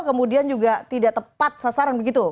kemudian juga tidak tepat sasaran begitu